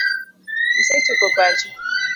Isechopo pacho ?